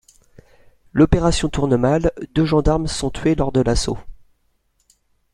L'opération tourne mal, deux gendarmes sont tués lors de l'assaut.